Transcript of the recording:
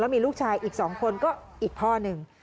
มีลูกชายอีก๒คนก็อีกพ่อหนึ่ง